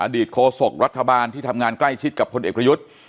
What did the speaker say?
โคศกรัฐบาลที่ทำงานใกล้ชิดกับพลเอกประยุทธ์